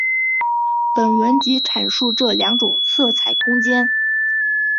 本文即阐述这两种色彩空间。